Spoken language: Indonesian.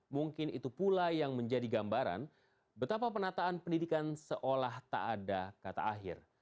mungkin itu pula yang menjadi gambaran betapa penataan pendidikan seolah tak ada kata akhir